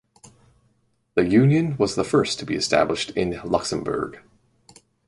The union was the first to be established in Luxembourg.